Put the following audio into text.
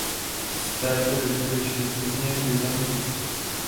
Z této bitvy vyšli vítězně Byzantinci.